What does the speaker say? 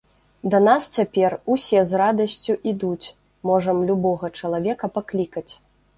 Да нас цяпер усе з радасцю ідуць, можам любога чалавека паклікаць.